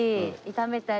炒めたり。